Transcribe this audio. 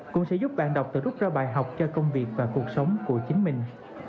cũng sẽ giúp bạn đọc tự rút ra bài học cho công việc và cuộc sống của chính mình